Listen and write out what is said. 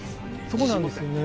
そこなんですよね